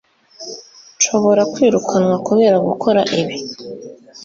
Nshobora kwirukanwa kubera gukora ibi